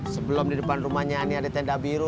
sebelum di depan rumahnya ini ada tenda biru